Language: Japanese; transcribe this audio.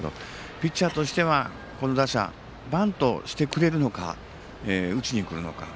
ピッチャーとしてはこの打者、バントしてくれるのか打ちに来るのか。